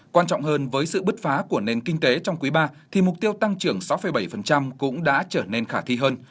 quan trọng hơn với sự bứt phá của nền kinh tế trong quý ba thì mục tiêu tăng trưởng sáu bảy cũng đã trở nên khả thi hơn